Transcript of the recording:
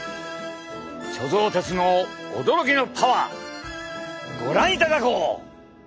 貯蔵鉄の驚きのパワーご覧いただこう！